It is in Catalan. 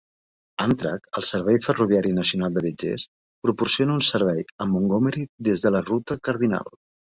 Amtrak, el servei ferroviari nacional de viatgers, proporciona un servei a Montgomery des de la ruta Cardinal.